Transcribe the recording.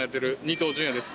東純也です。